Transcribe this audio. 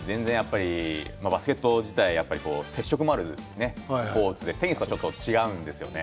バスケット自体接触のあるスポーツでテニスとは違うんですよね。